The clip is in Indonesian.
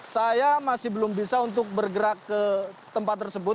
saya masih belum bisa untuk bergerak ke tempat tersebut